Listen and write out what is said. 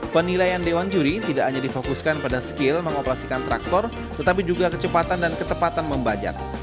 penilaian dewan juri tidak hanya difokuskan pada skill mengoperasikan traktor tetapi juga kecepatan dan ketepatan membajak